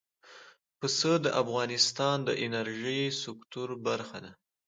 پسه د افغانستان د انرژۍ سکتور برخه ده.